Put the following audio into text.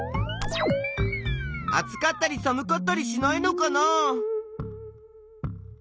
あつかったりさむかったりしないのかな？